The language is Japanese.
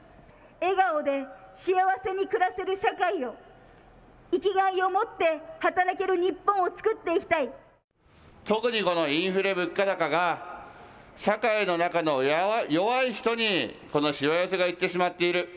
笑顔で幸せに暮らせる社会を、生きがいを持って働ける日本を特にこのインフレ、物価高が社会の中の弱い人にこのしわ寄せがいってしまっている。